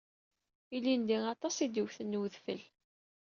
Ilindi aṭas i d-iwten n wedfel